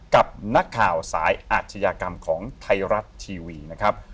กับนักข่าวสายอาชญากรรมของไทยรัฐทีวีนะครับ